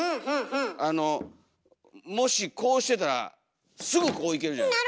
あのもしこうしてたらすぐこういけるじゃないですか。